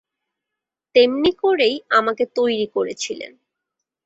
তেমনি করেই আমাকে তৈরি করেছিলেন।